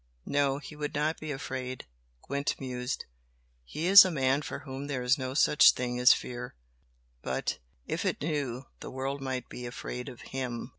"No he would not be afraid!" Gwent mused "He is a man for whom there is no such thing as fear! But if it knew the world might be afraid of HIM!"